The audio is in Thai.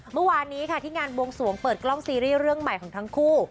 เมื่อวานนี้ค่ะที่งานบวงสวงเปิดกล้องซีรีส์เรื่องใหม่ของทั้งคู่